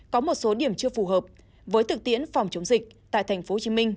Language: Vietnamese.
có một số điểm chưa phù hợp với thực tiễn phòng chống dịch tại tp hcm